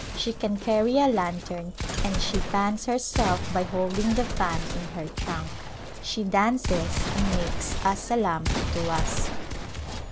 She can carry a lantern, and she fans herself by holding the fan in her trunk. She dances and makes a salam to us.